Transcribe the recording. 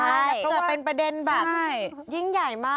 แล้วเกิดเป็นประเด็นแบบยิ่งใหญ่มาก